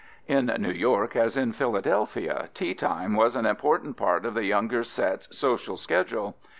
" In New York as in Philadelphia teatime was an important part of the younger set's social schedule.